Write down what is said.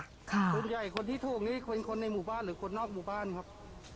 ส่วนใหญ่คนที่ถูกนี่เป็นคนในหมู่บ้านหรือคนนอกหมู่บ้านครับ